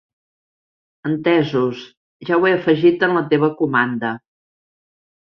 Entesos, ja ho he afegit en la teva comanda.